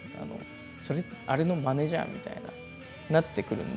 それあれのマネじゃんみたいななってくるんで。